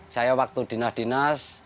saya waktu dinas dinas